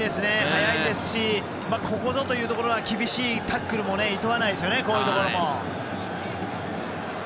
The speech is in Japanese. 速いですしここぞというところは厳しいタックルもいとわないですね。